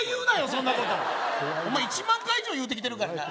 そんなことお前１万回以上言うてきてるからな